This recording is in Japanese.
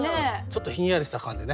ちょっとひんやりした感じでね。